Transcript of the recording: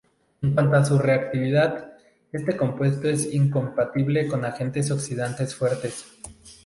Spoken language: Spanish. En cuanto a su reactividad, este compuesto es incompatible con agentes oxidantes fuertes.